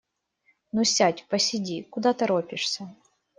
Ну, сядь, посиди, куда торопишься?